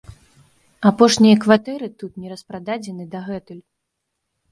Апошнія кватэры тут не распрададзеныя дагэтуль.